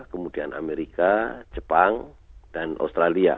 kemudian amerika jepang dan australia